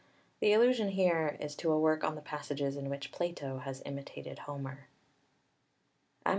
The allusion here is to a work on the passages in which Plato has imitated Homer. (Suidas, _s.